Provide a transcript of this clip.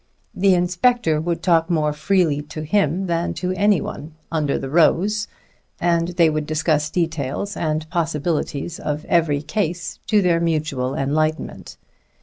The inspector would talk more freely to him than to any one, under the rose, and they would discuss details and possibilities of every case, to their mutual enlightenment.